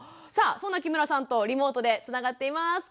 さあそんな木村さんとリモートでつながっています。